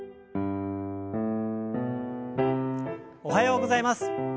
おはようございます。